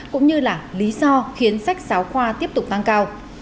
cũng như là lý do khiến sách giáo khoa tiếp tục tăng cao